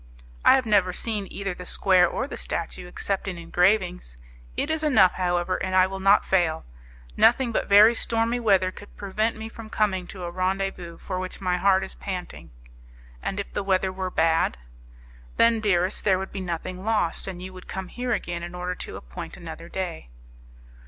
"I have never seen either the square or the statue except in engravings; it is enough, however, and I will not fail. Nothing but very stormy weather could prevent me from coming to a rendezvous for which my heart is panting." "And if the weather were bad?" "Then, dearest, there would be nothing lost; and you would come here again in order to appoint another day."